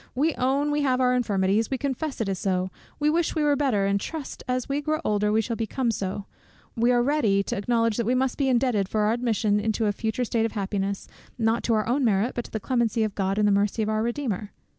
We own we have our infirmities; we confess it is so; we wish we were better, and trust as we grow older we shall become so; we are ready to acknowledge that we must be indebted for our admission into a future state of happiness, not to our own merit, but to the clemency of God, and the mercy of our Redeemer."